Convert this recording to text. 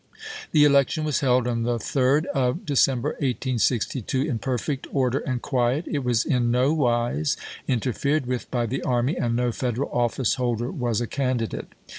The election was held on the 3d of December, 1862, in perfect order and quiet; it was in no wise interfered with by the army, and no Federal office holder was a candidate.